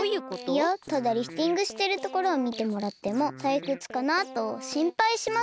いやただリフティングしてるところをみてもらってもたいくつかなとしんぱいしまして。